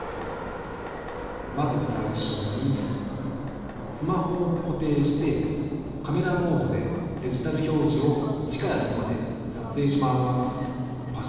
まず最初にスマホを固定してカメラモードでデジタル表示を１から６まで撮影します。